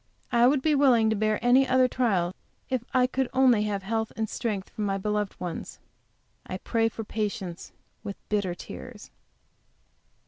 I would be willing to bear any other trial, if I could only have health and strength for my beloved ones. I pray for patience with bitter tears.